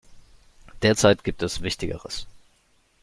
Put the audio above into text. Derzeit gibt es Wichtigeres.